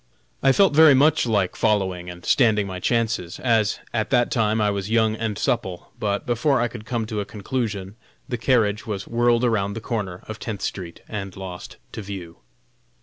I felt very much like following and standing my chances, as at that time I was young and supple, but before I could come to a conclusion the carriage was whirled around the corner of Tenth street and lost to view.